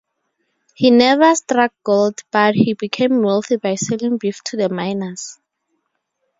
He never struck gold, but he became wealthy by selling beef to the miners.